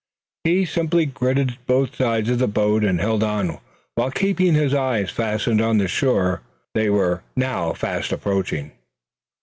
He simply gripped both sides of the boat, and held on, while keeping his eyes fastened on the shore they were now fast approaching.